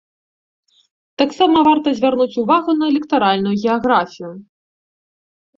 Таксама варта звярнуць увагу на электаральную геаграфію.